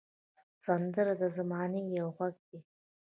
سندره د زمانې یو غږ دی